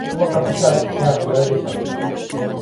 A súa capital é a cidade de Salima.